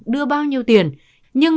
đưa bao nhiêu tiền nhưng